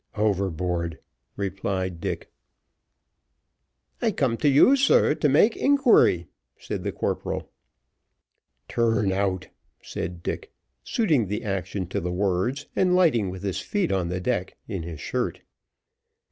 "Overboard," replied Dick. "I come to you, sir, to make inquiry," said the corporal. "Turn out," said Dick, suiting the action to the words, and lighting with his feet on the deck in his shirt.